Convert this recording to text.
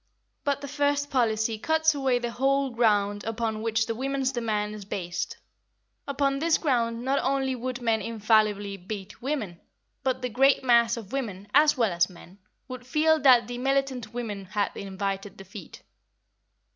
But the first policy cuts away the whole ground upon which the women's demand is based; upon this ground not only would men infallibly beat women, but the great mass of women, as well as men, would feel that the militant women had invited defeat.